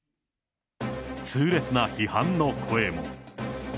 痛烈な批判の声も。